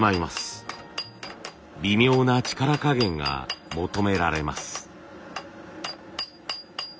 微妙な力加減が求められます。